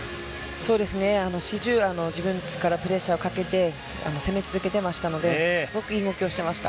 そうですね、始終、自分からプレッシャーをかけて、攻め続けてましたので、すごくいい動きをしてました。